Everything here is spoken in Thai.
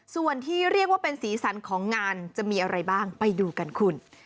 ส่วนที่เรียกว่าเป็นสีสันของงานจะมีอะไรบ้างไปดูกันคุณ